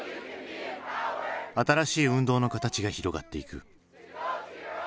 新しい運動の形が広がっていく。